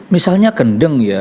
misalnya kendeng ya